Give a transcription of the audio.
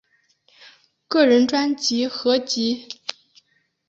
个人专辑合辑